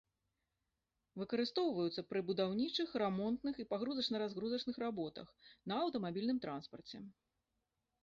Выкарыстоўваюцца пры будаўнічых, рамонтных і пагрузачна-разгрузачных работах, на аўтамабільным транспарце.